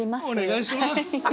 お願いします。